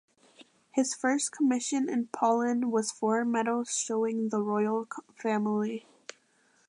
His first commission in Poland was four medals showing the royal family.